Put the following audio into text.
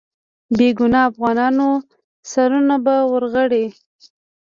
بې ګناه افغانانو سرونه به ورغړي.